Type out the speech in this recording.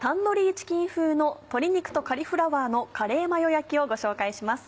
チキン風の「鶏肉とカリフラワーのカレーマヨ焼き」をご紹介します。